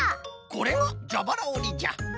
これがじゃばらおりじゃ。